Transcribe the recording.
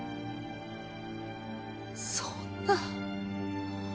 そんな。